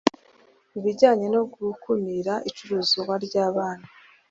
ibijyanye no gukumira icuruzwa ry abantu